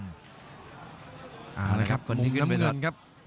มุมน้ำเงินครับ